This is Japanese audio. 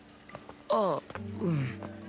あっうん。